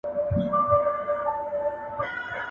• چي هوس و، نو دي بس و.